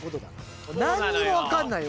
何にも分かんないよ。